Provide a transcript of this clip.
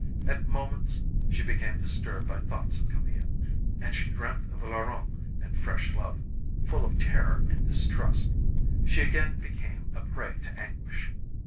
At moments, she became disturbed by thoughts of Camille, and she dreamt of Laurent and fresh love, full of terror and distrust. She again became a prey to anguish.